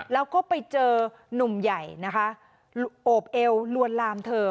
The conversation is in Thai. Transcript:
แล้วก็ไปเจอนุ่มใหญ่นะคะโอบเอวลวนลามเธอ